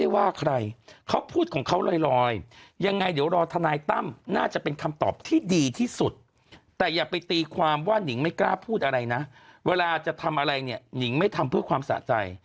เวลาจะทำอะไรเนี่ยนิ้งไม่ทำเพื่อความสะใจ